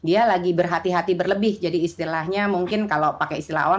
dia lagi berhati hati berlebih jadi istilahnya mungkin kalau pakai istilah awam